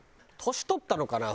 年取ったのかな？